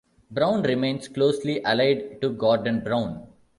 Brown remains closely allied to Gordon Brown.